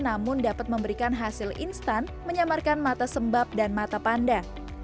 namun dapat memberikan hasil instan menyamarkan mata sembab dan mata panda